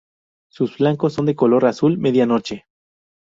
Sus flancos son de color azul medianoche.